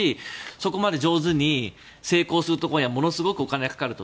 そこまで上手に成功するにはものすごくお金はかかると。